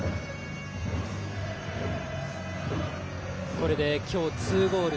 これで今日２ゴール